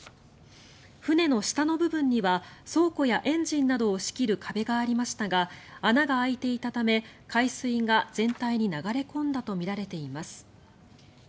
船の下の部分には倉庫やエンジンなどを仕切る壁がありましたが穴が開いていたため海水が全体に流れ込んだとみられています。